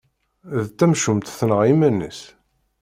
D tamcumt tenɣa iman-is.